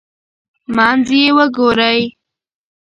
منځ یې وګورئ.